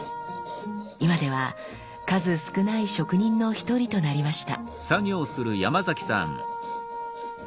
今では数少ない職人の一人となりました。